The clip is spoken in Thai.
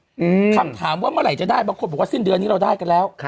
อืมคำถามว่าเมื่อไหร่จะได้บางคนบอกว่าสิ้นเดือนนี้เราได้กันแล้วครับ